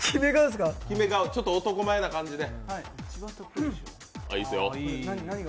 ちょっと男前な感じで。